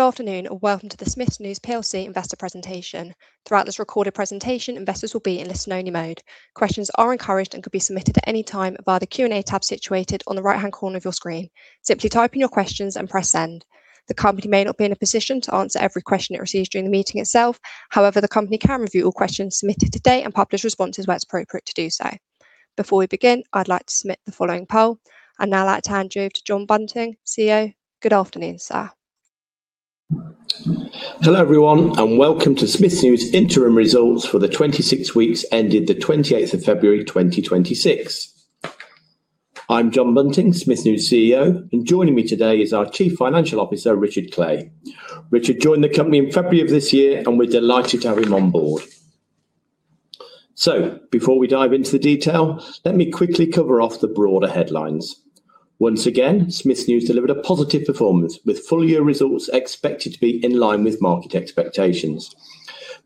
Good afternoon, and welcome to the Smiths News PLC investor presentation. Throughout this recorded presentation, investors will be in listen only mode. Questions are encouraged and could be submitted at any time via the Q&A tab situated on the right-hand corner of your screen. Simply type in your questions and press send. The company may not be in a position to answer every question it receives during the meeting itself. However, the company can review all questions submitted today and publish responses where it's appropriate to do so. Before we begin, I'd like to submit the following poll. I'd now like to hand you over to Jonathan Bunting, CEO. Good afternoon, sir. Hello, everyone, and welcome to Smiths News interim results for the 26 weeks ended the 28th of February, 2026. I'm Jonathan Bunting, Smiths News CEO, and joining me today is our Chief Financial Officer, Richard Clay. Richard joined the company in February of this year, and we're delighted to have him on board. Before we dive into the detail, let me quickly cover off the broader headlines. Once again, Smiths News delivered a positive performance with full year results expected to be in line with market expectations.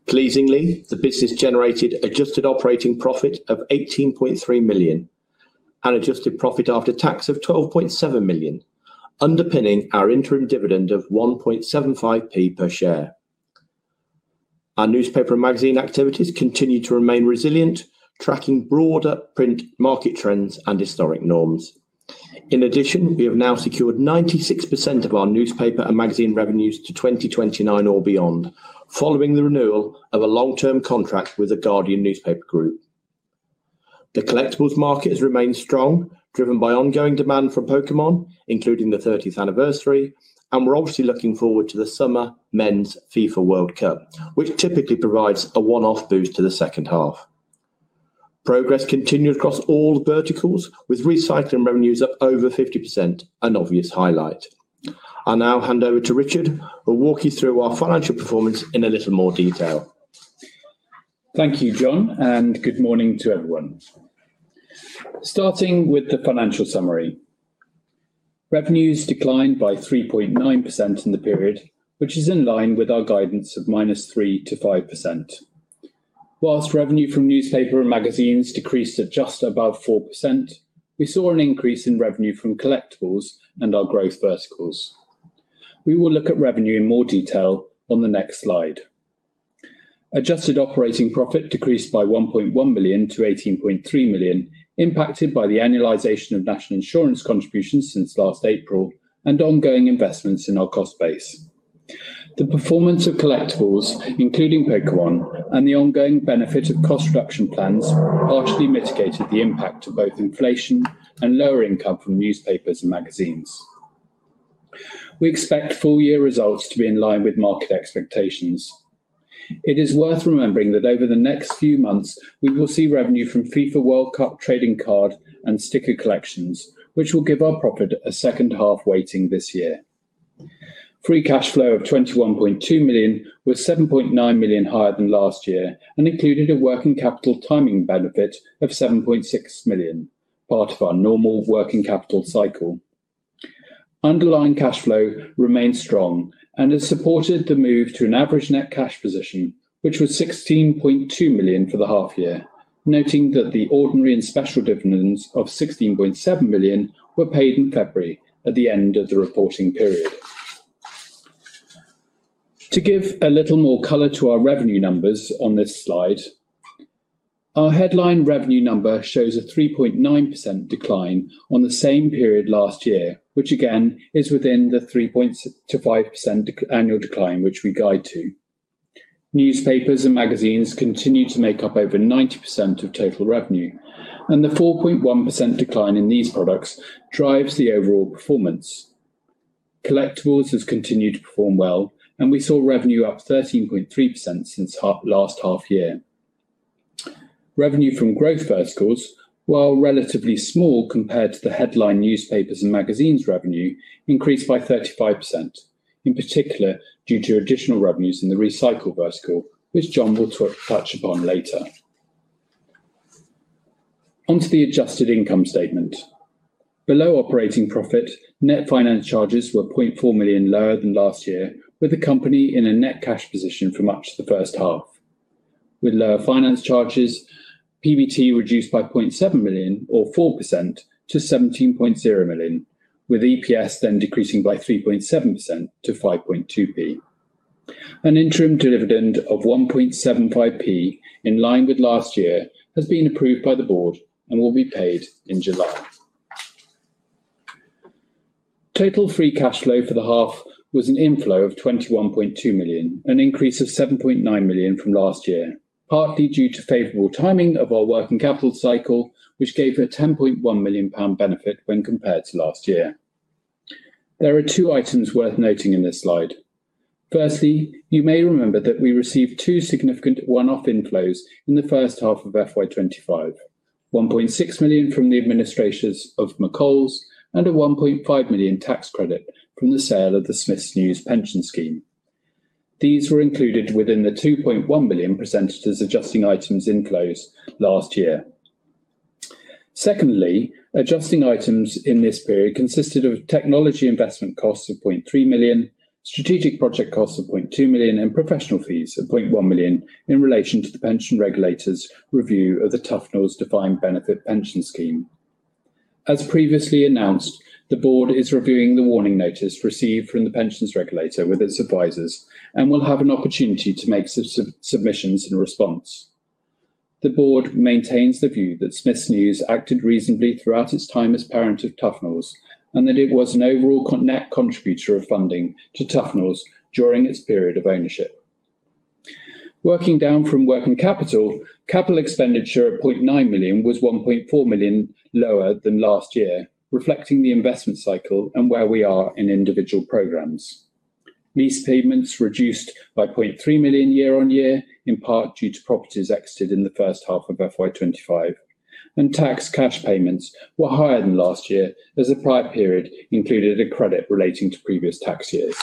Pleasingly, the business generated adjusted operating profit of 18.3 million and adjusted profit after tax of 12.7 million, underpinning our interim dividend of 0.0175 per share. Our newspaper magazine activities continue to remain resilient, tracking broader print market trends and historic norms. In addition, we have now secured 96% of our newspaper and magazine revenues to 2029 or beyond, following the renewal of a long-term contract with the Guardian Media Group. The Collectables market has remained strong, driven by ongoing demand from Pokémon, including the 30th anniversary, and we're obviously looking forward to the summer men's FIFA World Cup, which typically provides a one-off boost to the second half. Progress continued across all verticals, with recycling revenues up over 50%, an obvious highlight. I now hand over to Richard, who'll walk you through our financial performance in a little more detail. Thank you, Jon, and good morning to everyone. Starting with the financial summary. Revenues declined by 3.9% in the period, which is in line with our guidance of -3% to 5%. Whilst revenue from newspaper and magazines decreased at just above 4%, we saw an increase in revenue from Collectables and our growth verticals. We will look at revenue in more detail on the next slide. Adjusted operating profit decreased by 1.1 million to 18.3 million, impacted by the annualization of national insurance contributions since last April and ongoing investments in our cost base. The performance of Collectables, including Pokémon, and the ongoing benefit of cost reduction plans partially mitigated the impact of both inflation and lower income from newspapers and magazines. We expect full year results to be in line with market expectations. It is worth remembering that over the next few months, we will see revenue from FIFA World Cup trading card and sticker collections, which will give our profit a second half weighting this year. Free cash flow of 21.2 million was 7.9 million higher than last year and included a working capital timing benefit of 7.6 million, part of our normal working capital cycle. Underlying cash flow remains strong and has supported the move to an average net cash position, which was 16.2 million for the half year, noting that the ordinary and special dividends of 16.7 million were paid in February at the end of the reporting period. To give a little more color to our revenue numbers on this slide, our headline revenue number shows a 3.9% decline on the same period last year, which again is within the 3.6%-5% annual decline which we guide to. Newspapers and magazines continue to make up over 90% of total revenue, and the 4.1% decline in these products drives the overall performance. Collectables has continued to perform well, and we saw revenue up 13.3% since last half year. Revenue from growth verticals, while relatively small compared to the headline newspapers and magazines revenue, increased by 35%, in particular due to additional revenues in the recycle vertical, which Jon will touch upon later. Onto the adjusted income statement. Below operating profit, net finance charges were 0.4 million lower than last year, with the company in a net cash position for much of the first half. Lower finance charges, PBT reduced by 0.7 million or 4% to 17.0 million, with EPS then decreasing by 3.7% to 0.052. An interim dividend of 0.0175, in line with last year, has been approved by the board and will be paid in July. Total free cash flow for the half was an inflow of 21.2 million, an increase of 7.9 million from last year, partly due to favorable timing of our working capital cycle, which gave a 10.1 million pound benefit when compared to last year. There are two items worth noting in this slide. Firstly, you may remember that we received two significant one-off inflows in the first half of FY 2025. 1.6 million from the administrations of McColl's and a 1.5 million tax credit from the sale of the Smiths News pension scheme. These were included within the 2.1 billion presented as adjusting items inflows last year. Secondly, adjusting items in this period consisted of technology investment costs of 0.3 million, strategic project costs of 0.2 million, and professional fees of 0.1 million in relation to the Pensions Regulator's review of the Tuffnells defined benefit pension scheme. As previously announced, the board is reviewing the warning notice received from the Pensions Regulator with its advisors and will have an opportunity to make sub-sub-submissions in response. The board maintains the view that Smiths News acted reasonably throughout its time as parent of Tuffnells, and that it was an overall net contributor of funding to Tuffnells during its period of ownership. Working down from working capital expenditure of 0.9 million was 1.4 million lower than last year, reflecting the investment cycle and where we are in individual programs. Lease payments reduced by 0.3 million year on year, in part due to properties exited in the first half of FY 2025. Tax cash payments were higher than last year as the prior period included a credit relating to previous tax years.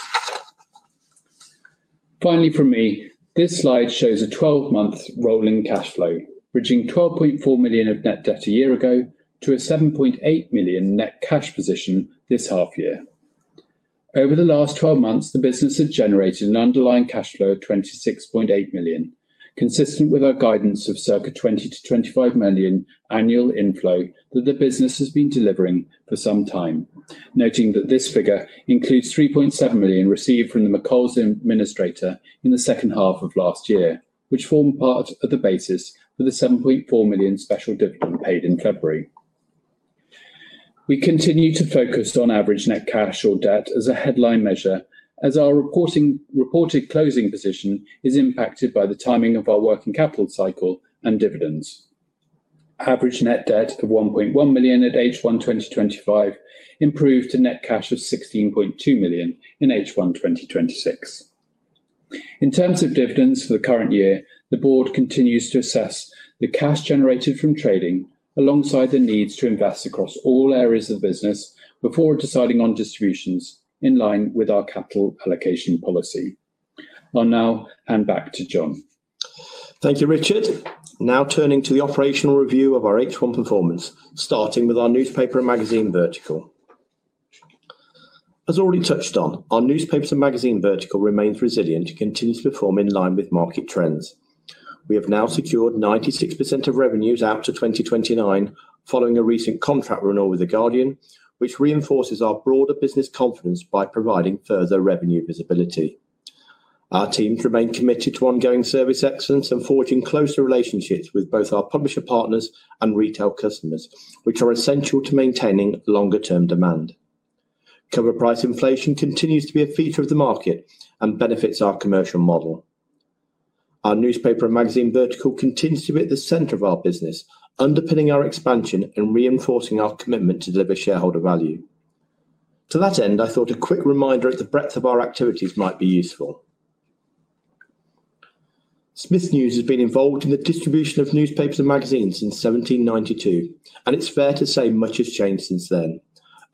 Finally from me, this slide shows a 12-month rolling cash flow, bridging 12.4 million of net debt a year ago to a 7.8 million net cash position this half year. Over the last 12 months, the business has generated an underlying cash flow of 26.8 million, consistent with our guidance of circa 20 million-25 million annual inflow that the business has been delivering for some time. Noting that this figure includes 3.7 million received from the McColl's administrator in the second half of last year, which formed part of the basis for the 7.4 million special dividend paid in February. We continue to focus on average net cash or debt as a headline measure as our reporting, reported closing position is impacted by the timing of our working capital cycle and dividends. Average net debt of 1.1 million at H1 2025 improved to net cash of 16.2 million in H1 2026. In terms of dividends for the current year, the board continues to assess the cash generated from trading alongside the needs to invest across all areas of business before deciding on distributions in line with our capital allocation policy. I'll now hand back to Jon. Thank you, Richard. Now turning to the operational review of our H1 performance, starting with our newspaper and magazine vertical. As already touched on, our newspapers and magazine vertical remains resilient and continues to perform in line with market trends. We have now secured 96% of revenues out to 2029 following a recent contract renewal with The Guardian, which reinforces our broader business confidence by providing further revenue visibility. Our teams remain committed to ongoing service excellence and forging closer relationships with both our publisher partners and retail customers, which are essential to maintaining longer term demand. Cover price inflation continues to be a feature of the market and benefits our commercial model. Our newspaper and magazine vertical continues to be at the center of our business, underpinning our expansion and reinforcing our commitment to deliver shareholder value. To that end, I thought a quick reminder of the breadth of our activities might be useful. Smiths News has been involved in the distribution of newspapers and magazines since 1792, and it's fair to say much has changed since then.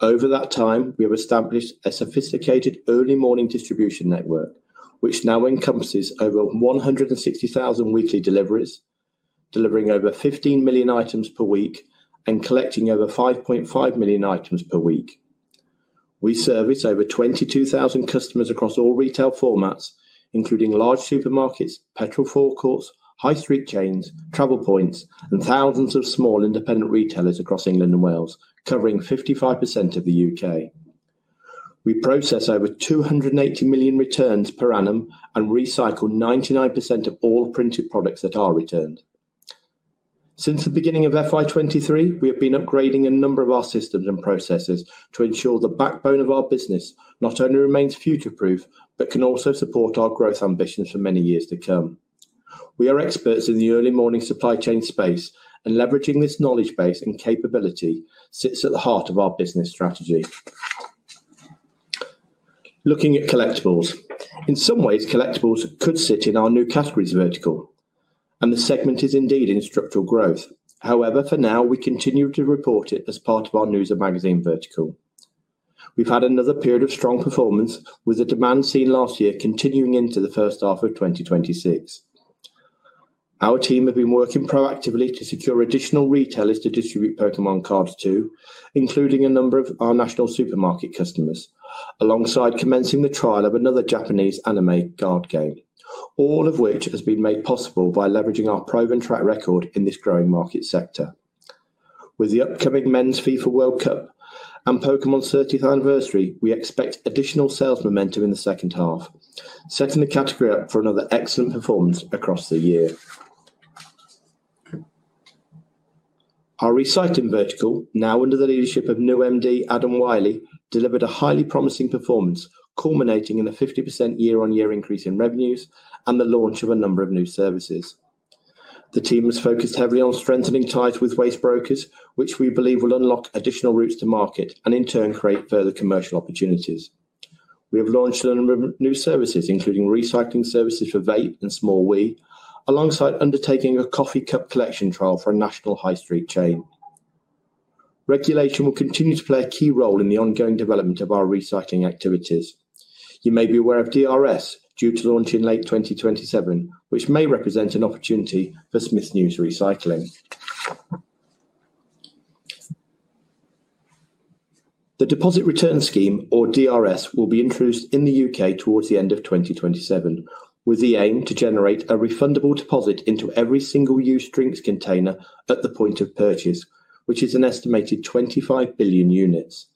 Over that time, we have established a sophisticated early morning distribution network, which now encompasses over 160,000 weekly deliveries, delivering over 15 million items per week and collecting over 5.5 million items per week. We service over 22,000 customers across all retail formats, including large supermarkets, petrol forecourts, high street chains, travel points, and thousands of small independent retailers across England and Wales, covering 55% of the U.K. We process over 280 million returns per annum and recycle 99% of all printed products that are returned. Since the beginning of FY 2023, we have been upgrading a number of our systems and processes to ensure the backbone of our business not only remains future-proof, but can also support our growth ambitions for many years to come. We are experts in the early morning supply chain space, and leveraging this knowledge base and capability sits at the heart of our business strategy. Looking at Collectables. In some ways, Collectables could sit in our new categories vertical, and the segment is indeed in structural growth. However, for now, we continue to report it as part of our news and magazine vertical. We've had another period of strong performance with the demand seen last year continuing into the first half of 2026. Our team have been working proactively to secure additional retailers to distribute Pokémon cards to, including a number of our national supermarket customers, alongside commencing the trial of another Japanese anime card game. All of which has been made possible by leveraging our proven track record in this growing market sector. With the upcoming Men's FIFA World Cup and Pokémon 30th anniversary, we expect additional sales momentum in the second half, setting the category up for another excellent performance across the year. Our Recycling vertical, now under the leadership of new MD, Adam Wylie, delivered a highly promising performance, culminating in a 50% year-on-year increase in revenues and the launch of a number of new services. The team was focused heavily on strengthening ties with waste brokers, which we believe will unlock additional routes to market and in turn create further commercial opportunities. We have launched a number of new services, including recycling services for vape and small WEEE, alongside undertaking a coffee cup collection trial for a national high street chain. Regulation will continue to play a key role in the ongoing development of our recycling activities. You may be aware of DRS, due to launch in late 2027, which may represent an opportunity for Smiths News Recycle. The deposit return scheme, or DRS, will be introduced in the U.K. towards the end of 2027, with the aim to generate a refundable deposit into every single-use drinks container at the point of purchase, which is an estimated 25 billion units.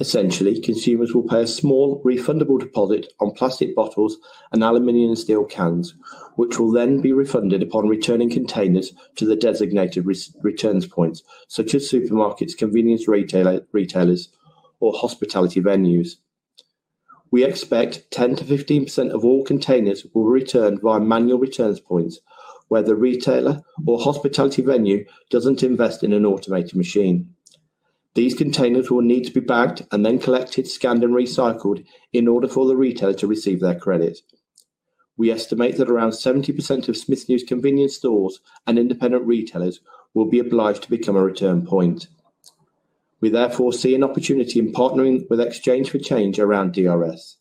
Essentially, consumers will pay a small refundable deposit on plastic bottles and aluminum and steel cans, which will then be refunded upon returning containers to the designated returns points such as supermarkets, convenience retailers or hospitality venues. We expect 10%-15% of all containers will return via manual returns points where the retailer or hospitality venue doesn't invest in an automated machine. These containers will need to be bagged and then collected, scanned and recycled in order for the retailer to receive their credit. We estimate that around 70% of Smiths News convenience stores and independent retailers will be obliged to become a return point. We therefore see an opportunity in partnering with Exchange for Change around DRS,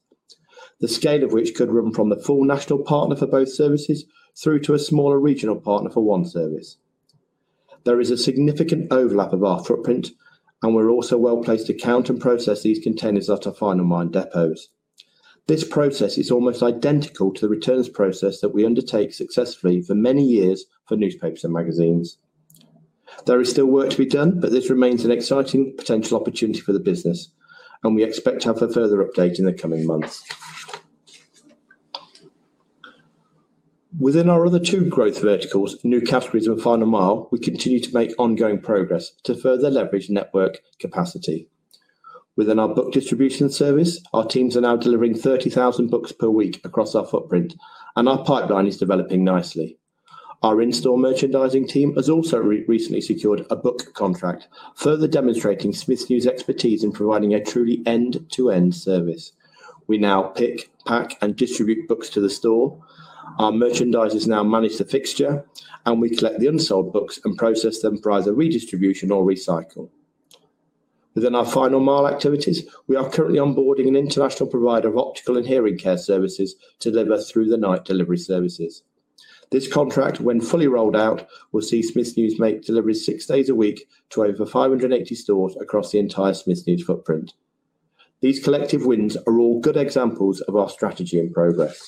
the scale of which could run from the full national partner for both services through to a smaller regional partner for one service. There is a significant overlap of our footprint, and we're also well-placed to count and process these containers at our final mile depots. This process is almost identical to the returns process that we undertake successfully for many years for newspapers and magazines. There is still work to be done, but this remains an exciting potential opportunity for the business, and we expect to have a further update in the coming months. Within our other two growth verticals, new categories and final mile, we continue to make ongoing progress to further leverage network capacity. Within our book distribution service, our teams are now delivering 30,000 books per week across our footprint, and our pipeline is developing nicely. Our in-store merchandising team has also recently secured a book contract, further demonstrating Smiths News' expertise in providing a truly end-to-end service. We now pick, pack, and distribute books to the store. Our merchandisers now manage the fixture, and we collect the unsold books and process them for either redistribution or recycle. Within our final mile activities, we are currently onboarding an international provider of optical and hearing care services to deliver through the night delivery services. This contract, when fully rolled out, will see Smiths News make deliveries six days a week to over 580 stores across the entire Smiths News footprint. These collective wins are all good examples of our strategy in progress.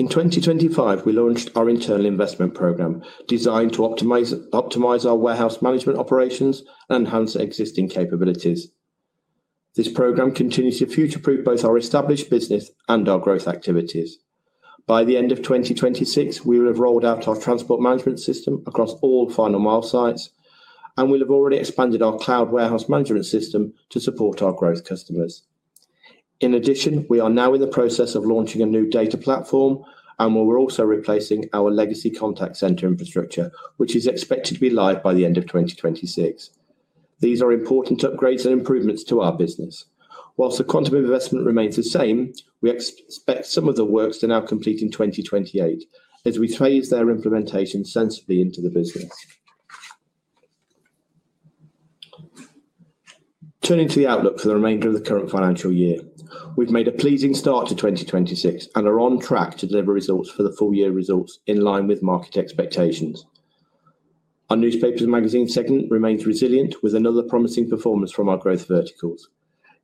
In 2025, we launched our Internal Investment Program designed to optimize our warehouse management operations and enhance existing capabilities. This program continues to future-proof both our established business and our growth activities. By the end of 2026, we will have rolled out our transport management system across all final mile sites, and we'll have already expanded our cloud warehouse management system to support our growth customers. In addition, we are now in the process of launching a new data platform, and we're also replacing our legacy contact center infrastructure, which is expected to be live by the end of 2026. These are important upgrades and improvements to our business. Whilst the quantum investment remains the same, we expect some of the works to now complete in 2028 as we phase their implementation sensibly into the business. Turning to the outlook for the remainder of the current financial year. We've made a pleasing start to 2026 and are on track to deliver results for the full year results in line with market expectations. Our newspapers and magazine segment remains resilient with another promising performance from our growth verticals.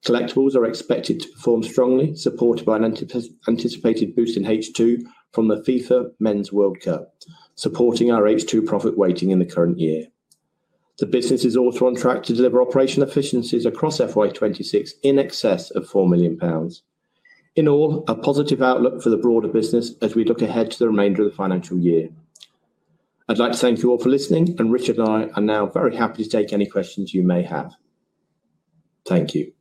Collectables are expected to perform strongly, supported by an anticipated boost in H2 from the FIFA Men's World Cup, supporting our H2 profit weighting in the current year. The business is also on track to deliver operation efficiencies across FY 2026 in excess of 4 million pounds. In all, a positive outlook for the broader business as we look ahead to the remainder of the financial year. I'd like to thank you all for listening, and Richard and I are now very happy to take any questions you may have. Thank you.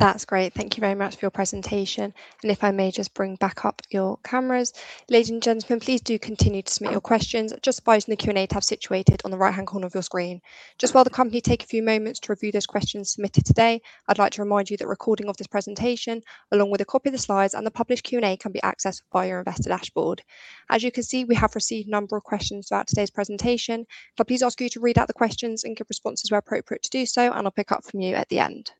That's great. Thank you very much for your presentation. If I may just bring back up your cameras. Ladies and gentlemen, please do continue to submit your questions just by using the Q&A tab situated on the right-hand corner of your screen. Just while the company take a few moments to review those questions submitted today, I'd like to remind you that recording of this presentation, along with a copy of the slides and the published Q&A, can be accessed via your investor dashboard. As you can see, we have received a number of questions throughout today's presentation. Could I please ask you to read out the questions and give responses where appropriate to do so, and I'll pick up from you at the end.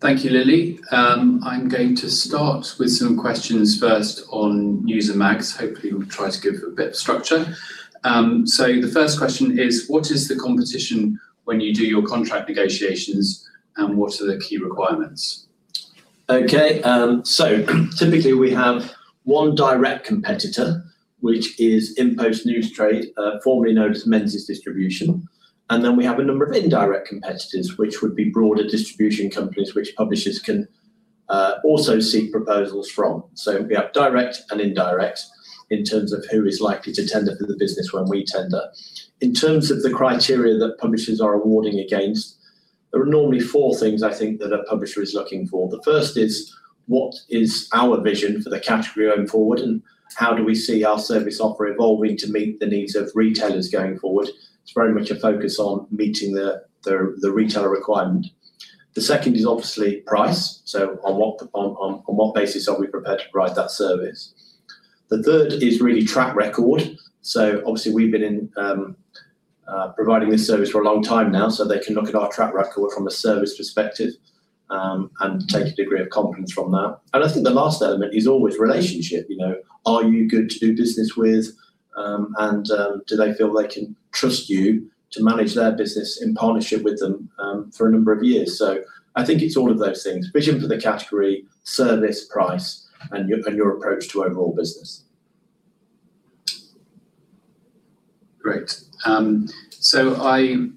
Thank you, Lily. I'm going to start with some questions first on news and mags. Hopefully, we'll try to give a bit of structure. The first question is, what is the competition when you do your contract negotiations, and what are the key requirements? Okay. Typically we have one direct competitor, which is InPost Newstrade, formerly known as Menzies Distribution. We have a number of indirect competitors, which would be broader distribution companies which publishers can also seek proposals from. We have direct and indirect in terms of who is likely to tender for the business when we tender. In terms of the criteria that publishers are awarding against, there are normally four things I think that a publisher is looking for. The first is: What is our vision for the category going forward, and how do we see our service offer evolving to meet the needs of retailers going forward? It's very much a focus on meeting the retailer requirement. The second is obviously price. On what basis are we prepared to price that service? The third is really track record. obviously we've been in. Providing this service for a long time now, so they can look at our track record from a service perspective, and take a degree of confidence from that. I think the last element is always relationship. You know, are you good to do business with? Do they feel they can trust you to manage their business in partnership with them, for a number of years? I think it's all of those things. Vision for the category, service, price, and your, and your approach to overall business. Great. I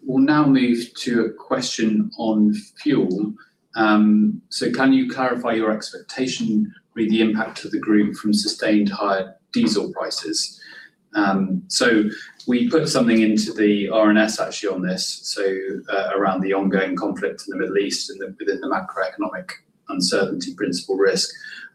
will now move to a question on fuel. Can you clarify your expectation re the impact to the group from sustained higher diesel prices? We put something into the RNS actually on this, around the ongoing conflict in the Middle East and the, within the macroeconomic uncertainty principle risk.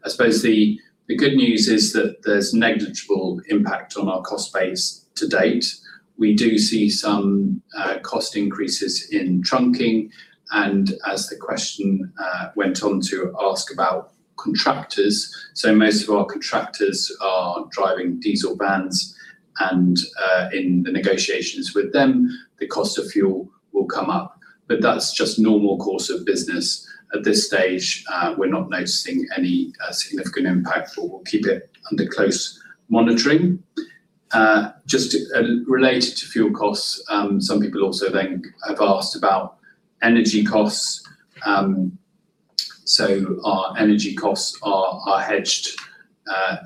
I suppose the good news is that there's negligible impact on our cost base to date. We do see some cost increases in trunking, and as the question went on to ask about contractors, most of our contractors are driving diesel vans and, in the negotiations with them, the cost of fuel will come up. That's just normal course of business. At this stage, we're not noticing any significant impact, we'll keep it under close monitoring. Just related to fuel costs, some people also have asked about energy costs. Our energy costs are hedged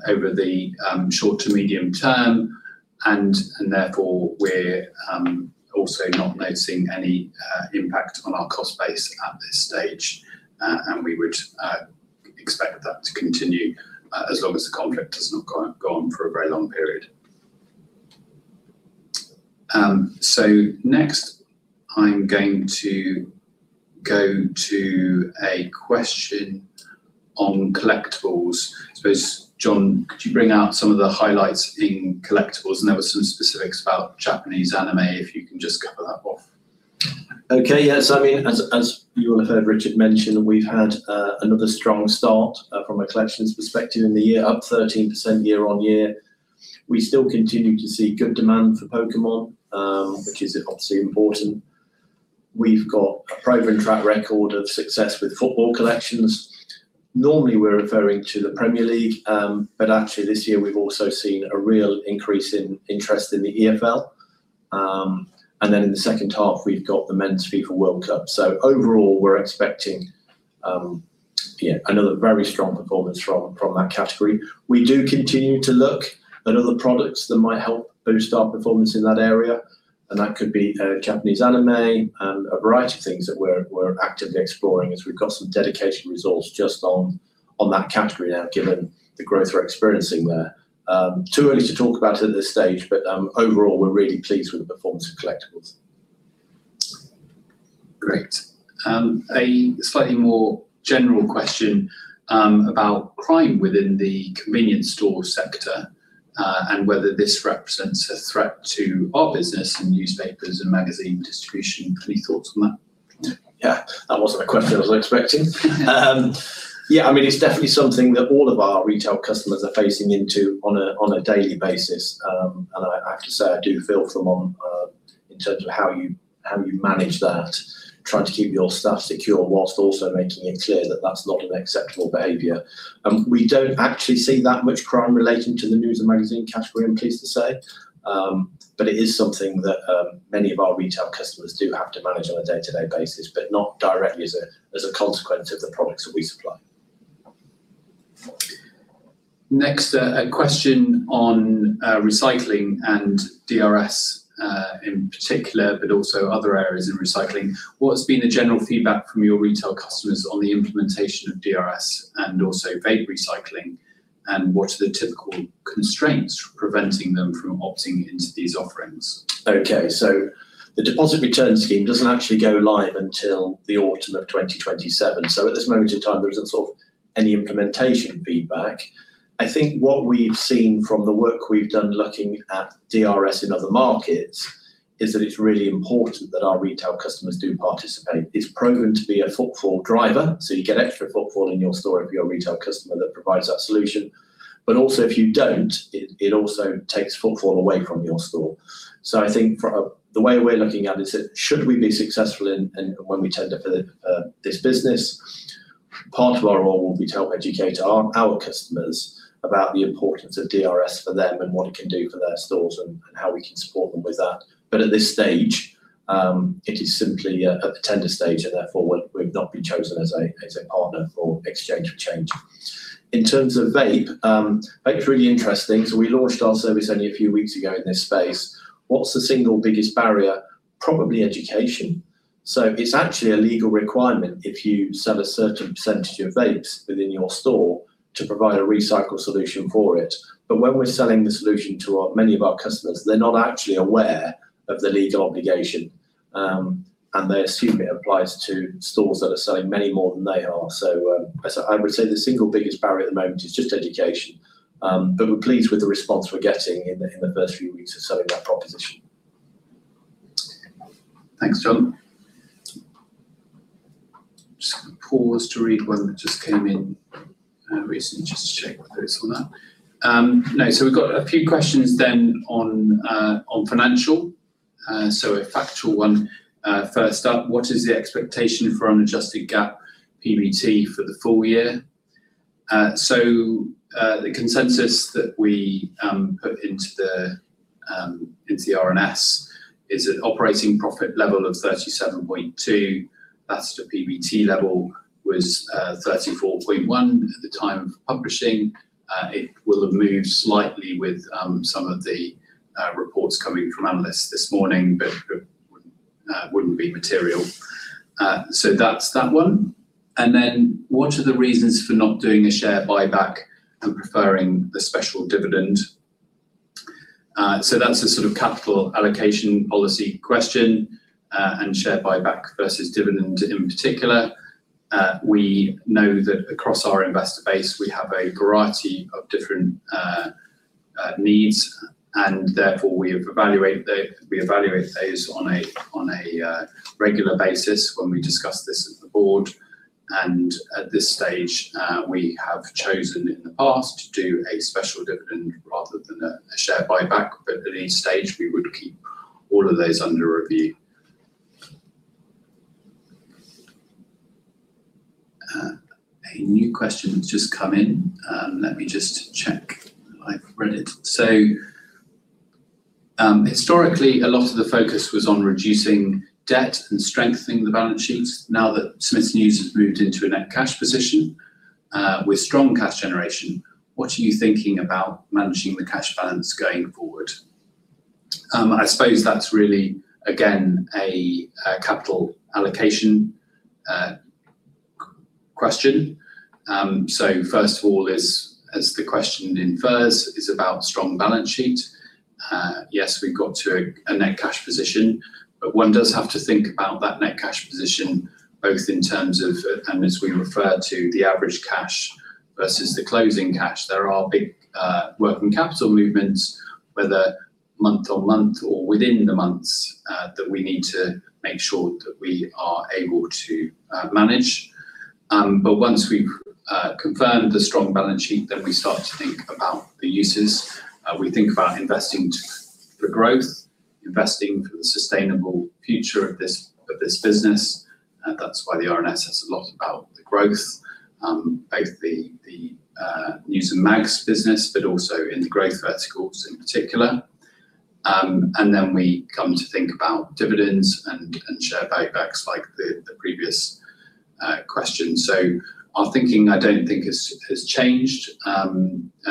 over the short to medium term and therefore we're also not noticing any impact on our cost base at this stage. We would expect that to continue as long as the conflict has not gone for a very long period. Next I'm going to go to a question on Collectables. I suppose, Jon, could you bring out some of the highlights in Collectables? There were some specifics about Japanese anime, if you can just cover that off. Okay. Yes. I mean, as you will have heard Richard mention, we've had another strong start from a collections perspective in the year, up 13% year-on-year. We still continue to see good demand for Pokémon, which is obviously important. We've got a proven track record of success with football collections. Normally, we're referring to the Premier League, but actually this year we've also seen a real increase in interest in the EFL. Then in the second half we've got the men's FIFA World Cup. Overall, we're expecting another very strong performance from that category. We do continue to look at other products that might help boost our performance in that area, and that could be Japanese anime and a variety of things that we're actively exploring as we've got some dedicated resource just on that category now given the growth we're experiencing there. Too early to talk about at this stage, but overall we're really pleased with the performance of Collectables. Great. A slightly more general question about crime within the convenience store sector, and whether this represents a threat to our business and newspapers and magazine distribution. Any thoughts on that? Yeah. That wasn't a question I was expecting. Yeah, I mean, it's definitely something that all of our retail customers are facing into on a daily basis. I have to say I do feel for them in terms of how you manage that, trying to keep your stuff secure whilst also making it clear that that's not an acceptable behavior. We don't actually see that much crime relating to the news and magazine category, I'm pleased to say. It is something that many of our retail customers do have to manage on a day-to-day basis, but not directly as a consequence of the products that we supply. Next, a question on recycling and DRS, in particular, but also other areas in recycling. What's been the general feedback from your retail customers on the implementation of DRS and also vape recycling, and what are the typical constraints preventing them from opting into these offerings? Okay. The deposit return scheme doesn't actually go live until the autumn of 2027, so at this moment in time there isn't sort of any implementation feedback. I think what we've seen from the work we've done looking at DRS in other markets is that it's really important that our retail customers do participate. It's proven to be a footfall driver, so you get extra footfall in your store if you're a retail customer that provides that solution. Also, if you don't, it also takes footfall away from your store. I think from, the way we're looking at it is that should we be successful in when we tender for this business, part of our role will be to help educate our customers about the importance of DRS for them and what it can do for their stores and how we can support them with that. At this stage, it is simply a tender stage and therefore we've not been chosen as a partner for Exchange for Change. In terms of vape's really interesting. We launched our service only a few weeks ago in this space. What's the single biggest barrier? Probably education. It's actually a legal requirement if you sell a certain percentage of vapes within your store to provide a recycle solution for it. When we're selling the solution to our, many of our customers, they're not actually aware of the legal obligation, and they assume it applies to stores that are selling many more than they are. As I would say, the single biggest barrier at the moment is just education. We're pleased with the response we're getting in the, in the first few weeks of selling that proposition. Thanks, Jon. Just pause to read one that just came in recently just to check what those are now. We've got a few questions then on financial. A factual one. First up, what is the expectation for unadjusted GAAP PBT for the full year? The consensus that we put into the RNS is an operating profit level of 37.2, that's the PBT level, was 34.1 at the time of publishing. It will have moved slightly with some of the reports coming from analysts this morning, but wouldn't be material. That's that one. What are the reasons for not doing a share buyback and preferring the special dividend? That's a sort of capital allocation policy question, and share buyback versus dividend in particular. We know that across our investor base, we have a variety of different needs, and therefore we evaluate those on a regular basis when we discuss this as a board. At this stage, we have chosen in the past to do a special dividend rather than a share buyback. At any stage, we would keep all of those under review. A new question's just come in. Let me just check I've read it. Historically, a lot of the focus was on reducing debt and strengthening the balance sheets. Now that Smiths News has moved into a net cash position, with strong cash generation, what are you thinking about managing the cash balance going forward? I suppose that's really, again, a capital allocation question. First of all, as the question infers, is about strong balance sheet. Yes, we've got to a net cash position, but one does have to think about that net cash position both in terms of, and as we refer to the average cash versus the closing cash. There are big working capital movements, whether month-on-month or within the months, that we need to make sure that we are able to manage. Once we've confirmed the strong balance sheet, we start to think about the uses. We think about investing for growth, investing for the sustainable future of this business. That's why the RNS says a lot about the growth, both the news and mags business, but also in the growth verticals in particular. We come to think about dividends and share buybacks like the previous question. Our thinking, I don't think has changed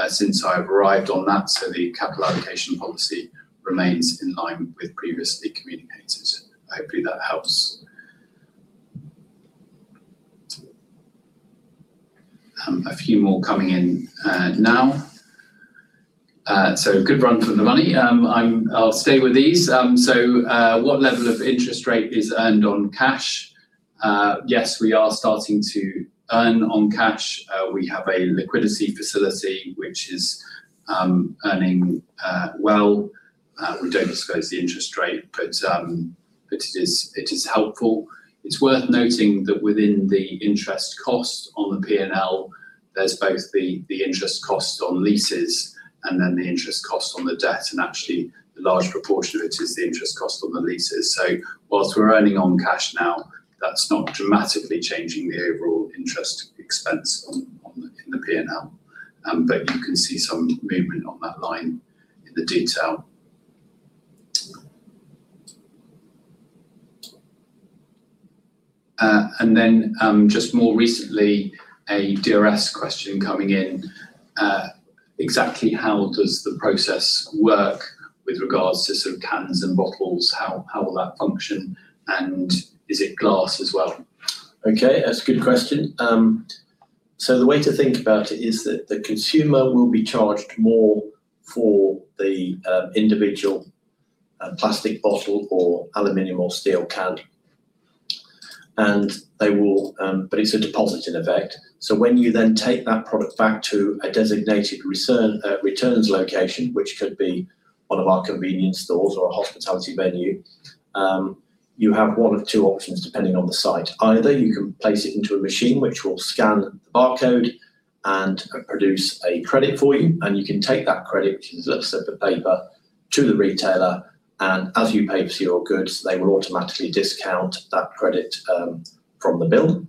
since I've arrived on that. The capital allocation policy remains in line with previously communicated. Hopefully, that helps. A few more coming in now. Good run from the money. I'll stay with these. What level of interest rate is earned on cash? Yes, we are starting to earn on cash. We have a liquidity facility which is earning well. We don't disclose the interest rate, but it is helpful. It's worth noting that within the interest cost on the P&L, there's both the interest cost on leases and then the interest cost on the debt, and actually the large proportion of it is the interest cost on the leases. Whilst we're earning on cash now, that's not dramatically changing the overall interest expense on the in the P&L. You can see some movement on that line in the detail. Then just more recently a DRS question coming in. Exactly how does the process work with regards to sort of cans and bottles? How will that function? Is it glass as well? Okay, that's a good question. The way to think about it is that the consumer will be charged more for the individual plastic bottle or aluminum or steel can. It's a deposit, in effect. When you then take that product back to a designated return, returns location, which could be one of our convenience stores or a hospitality venue, you have one of two options depending on the site. Either you can place it into a machine which will scan the barcode and produce a credit for you, and you can take that credit, the slip of paper to the retailer, and as you pay for your goods, they will automatically discount that credit from the bill.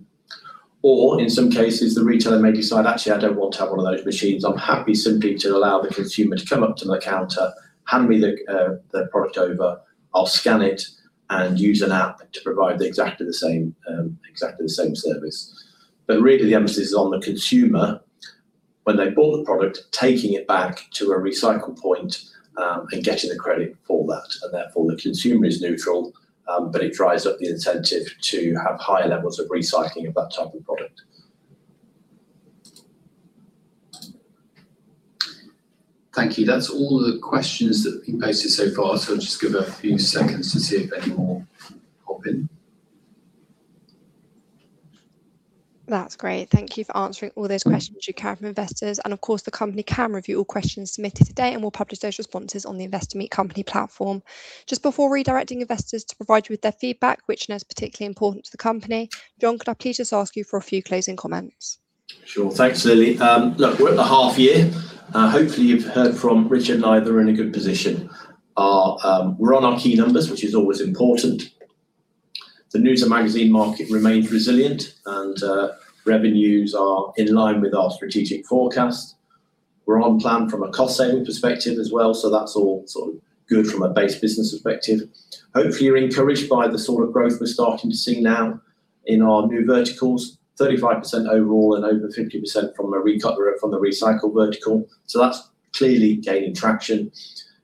In some cases, the retailer may decide, "Actually, I don't want to have one of those machines. I'm happy simply to allow the consumer to come up to the counter, hand me the product over, I'll scan it and use an app to provide the exactly the same, exactly the same service. Really the emphasis is on the consumer when they bought the product, taking it back to a recycle point, and getting the credit for that. Therefore, the consumer is neutral, but it drives up the incentive to have higher levels of recycling of that type of product. Thank you. That's all the questions that have been posted so far. I'll just give a few seconds to see if any more pop in. That's great. Thank you for answering all those questions you have from investors. Of course, the company can review all questions submitted today, and we'll publish those responses on the Investor Meet Company platform. Just before redirecting investors to provide you with their feedback, which I know is particularly important to the company, Jon, could I please just ask you for a few closing comments? Sure. Thanks, Lily. Look, we're at the half year. Hopefully you've heard from Richard and I that we're in a good position. We're on our key numbers, which is always important. The news and magazine market remains resilient and revenues are in line with our strategic forecast. We're on plan from a cost-saving perspective as well, so that's all sort of good from a base business perspective. Hopefully, you're encouraged by the sort of growth we're starting to see now in our new verticals, 35% overall and over 50% from the recycled vertical. That's clearly gaining traction.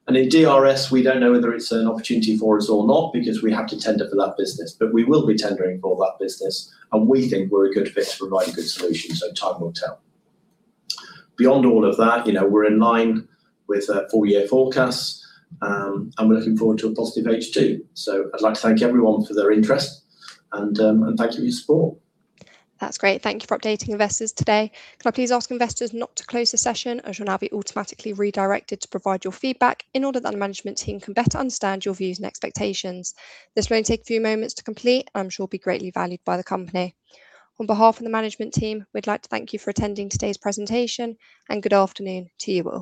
In DRS, we don't know whether it's an opportunity for us or not because we have to tender for that business, we will be tendering for that business, we think we're a good fit to provide a good solution, time will tell. Beyond all of that, you know, we're in line with full year forecasts, we're looking forward to a positive H2. I'd like to thank everyone for their interest and thank you for your support. That's great. Thank you for updating investors today. Could I please ask investors not to close the session, as you'll now be automatically redirected to provide your feedback in order that the management team can better understand your views and expectations. This will only take a few moments to complete, and I'm sure will be greatly valued by the company. On behalf of the management team, we'd like to thank you for attending today's presentation, and good afternoon to you all.